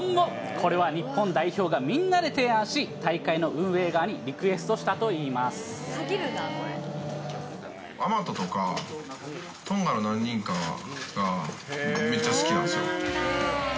これは日本代表がみんなで提案し、大会の運営側にリクエストしたとアマトとか、トンガの何人かがめっちゃ好きなんですよ。